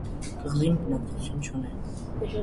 Կղզին բնակչություն չունի։